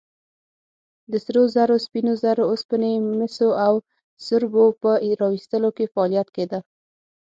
د سرو زرو، سپینو زرو، اوسپنې، مسو او سربو په راویستلو کې فعالیت کېده.